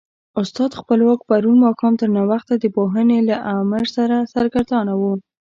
استاد خپلواک پرون ماښام تر ناوخته د پوهنې له امر سره سرګردانه و.